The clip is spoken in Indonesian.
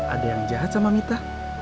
ada yang jahat sama mita